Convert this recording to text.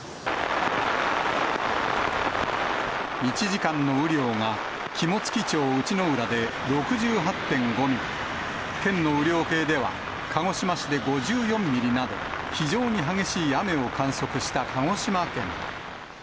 １時間の雨量が、肝付町内之浦で６８．５ミリ、県の雨量計では鹿児島市で５４ミリなど、非常に激しい雨を観測した鹿児島県。